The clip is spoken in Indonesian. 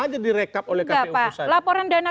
aja direkap oleh kpud laporan dana